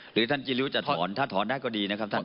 หรือท่านจิริ้วจะถอนถ้าถอนได้ก็ดีนะครับท่าน